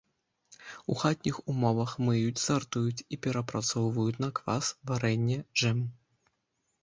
У хатніх умовах мыюць, сартуюць і перапрацоўваюць на квас, варэнне, джэм.